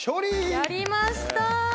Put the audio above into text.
やりました！